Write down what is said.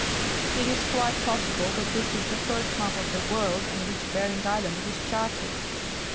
It is quite possible that this is the first map of the world on which Bering island was charted.